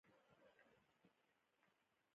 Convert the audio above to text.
زه به مې زوى رالوى کم.